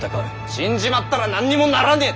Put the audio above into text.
死んじまったら何にもならねぇ。